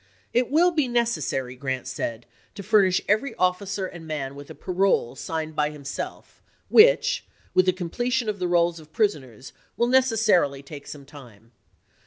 " It will be necessary," Grant said, " to furnish every officer and man with a parole signed by him self, which, with the completion of the rolls of pris oners, will necessarily take some time.